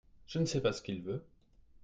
je ne sais pas ce qu'il veut.